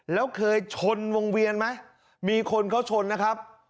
แล้วเคยชนวงเวียนไหมมีคนเขาชนนะครับ